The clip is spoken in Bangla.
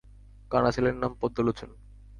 কানা ছেলের নাম পদ্মলোচন।